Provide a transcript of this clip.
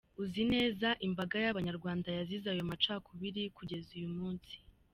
Uzi neza imbaga y’abanyarwanda yazize ayo macakubiri kugeza uyu munsi.